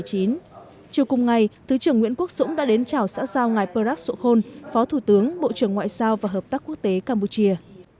chiều cùng ngày thứ trưởng nguyễn quốc dũng đã đến chào xã giao ngài prat sokhon phó thủ tướng bộ trưởng ngoại giao và hợp tác quốc tế campuchia